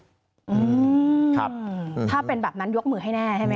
อืมถ้าเป็นแบบนั้นยกมือให้แน่ใช่ไหมครับ